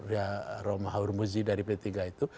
ya romah hurmuzi dari p tiga itu